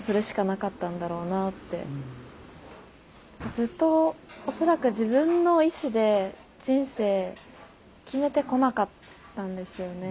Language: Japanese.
ずっと恐らく自分の意志で人生決めてこなかったんですよね。